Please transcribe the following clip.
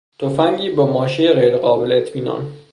تفنگی با ماشهی غیر قابل اطمینان